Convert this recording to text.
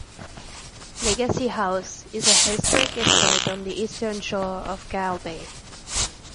Legacy House is a historic estate on the eastern shore of Kyle Bay.